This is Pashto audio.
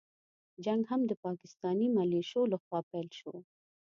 جنګ هم د پاکستاني مليشو له خوا پيل شو.